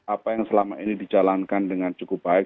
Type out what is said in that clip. apa yang selama ini dijalankan dengan cukup baik